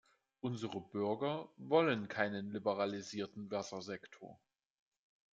Unsere Bürger wollen keinen liberalisierten Wassersektor.